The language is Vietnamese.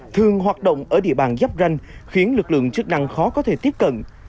thường hoạt động ở địa bàn giáp ranh khiến lực lượng chức năng khó có thể tiếp cận